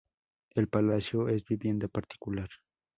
El palacio es vivienda particular.